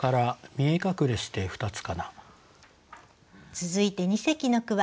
続いて二席の句は？